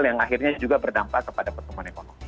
yang akhirnya juga berdampak kepada pertumbuhan ekonomi